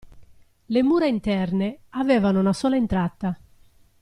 Le mura interne avevano una sola entrata.